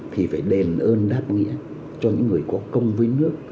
thì phải đền ơn đáp nghĩa cho những người có công với nước